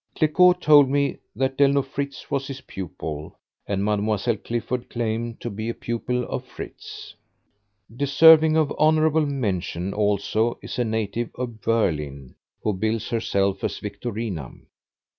Cliquot told me that Delno Fritz was his pupil, and Mlle. Clifford claims to be a pupil of Fritz. Deserving of honorable mention also is a native of Berlin, who bills herself as Victorina.